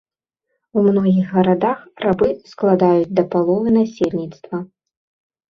У многіх гарадах рабы складаюць да паловы насельніцтва.